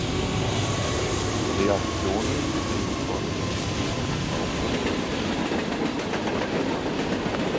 Die Reaktionen gingen von "wenig glaubwürdig" bis zu "typisch deutsche Angst".